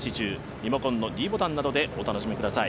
リモコンのｄボタンなどでお楽しみください。